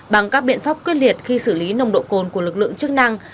bằng các biện pháp quyết liệt khi xử lý nồng độ cồn của lực lượng chức năng